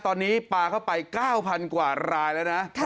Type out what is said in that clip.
ตอนนี้ปลาเข้าไป๙๐๐กว่ารายแล้วนะ